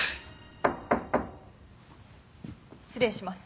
失礼します。